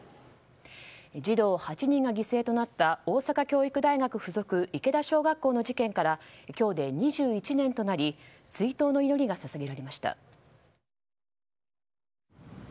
児童８人が犠牲となった大阪府教育大学附属池田小学校の事件から今日で２１年となり追悼の祈りが捧げられました。